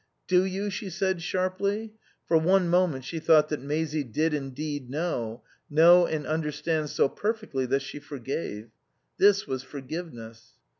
"Do you?" she said, sharply. For one moment she thought that Maisie did indeed know, know and understand so perfectly that she forgave. This was forgiveness.